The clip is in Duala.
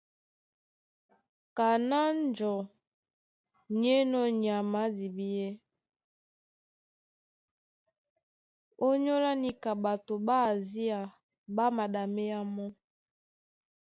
Kaná njɔu ní enɔ́ nyama a dibíɛ́, ónyólá níka ɓato ɓá Asia ɓá maɗaméá mɔ́.